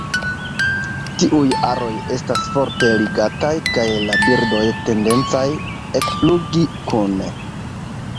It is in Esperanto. Tiuj aroj estas forte ligataj kaj la birdoj tendencas ekflugi kune.